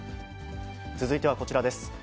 続いてはこちらです。